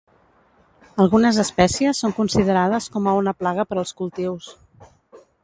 Algunes espècies són considerades com a una plaga per als cultius.